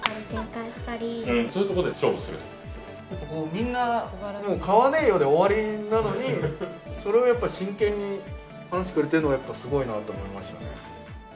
みんな買わねえよで終わりなのにそれを真剣に話してくれてるのがすごいなと思いましたね。